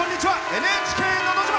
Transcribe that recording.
「ＮＨＫのど自慢」。